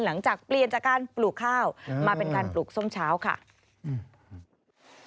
หลังจากเปลี่ยนจากการปลูกข้าวมาเป็นการปลูกส้มเช้าค่ะอืม